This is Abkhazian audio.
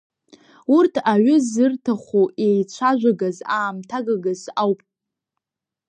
Урҭ аҩы зырҭаху еицәажәагас, аамҭагагас ауп.